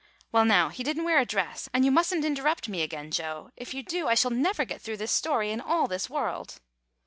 "Well, now, he didn't wear a dress, and you mustn't interrupt me again, Joe; if you do, I shall never get through this story in all this world.